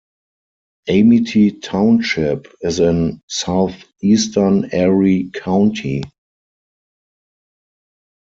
Amity Township is in southeastern Erie County.